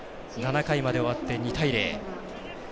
７回まで終わって２対０。